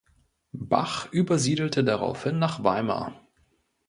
Bach übersiedelte daraufhin nach Weimar.